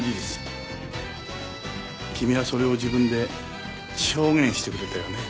君はそれを自分で証言してくれたよね。